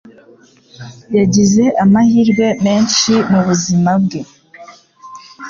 Yagize amahirwe menshi mubuzima bwe.